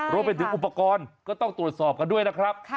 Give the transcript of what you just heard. รวมไปถึงอุปกรณ์ก็ต้องตรวจสอบกันด้วยนะครับ